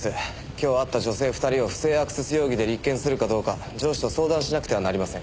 今日会った女性２人を不正アクセス容疑で立件するかどうか上司と相談しなくてはなりません。